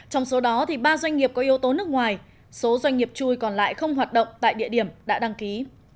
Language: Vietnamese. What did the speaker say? trong số đó ba doanh nghiệp có yếu tố nước ngoài số doanh nghiệp chui còn lại không hoạt động tại địa điểm đã đăng ký